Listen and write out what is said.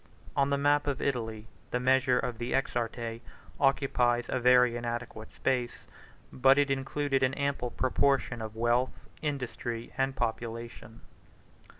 On the map of Italy, the measure of the exarchate occupies a very inadequate space, but it included an ample proportion of wealth, industry, and population.